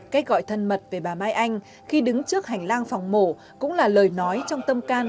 cách gọi thân mật về bà mai anh khi đứng trước hành lang phòng mổ cũng là lời nói trong tâm can